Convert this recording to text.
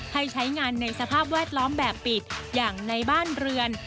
ให้ใช้งานในสภาพแวดล้อมแบบปิดอย่างในบ้านเรือน